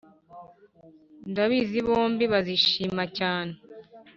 ndabizi bombi bazishimacyane